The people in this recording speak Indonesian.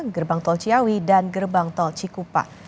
gerbang tol ciawi dan gerbang tol cikupa